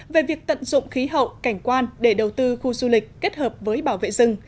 về việc tận dụng khí hậu cảnh quan để đầu tư khu du lịch kết hợp với bảo vệ rừng